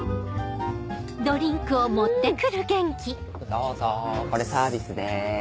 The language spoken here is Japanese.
どうぞこれサービスです。